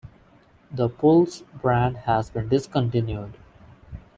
The Puls brand has been discontinued.